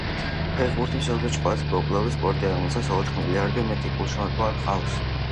ფეხბურთი მსოფლიოში ყველაზე პოპულარული სპორტია, რომელსაც ოთხ მილიარდზე მეტი გულშემატკივარი ჰყავს.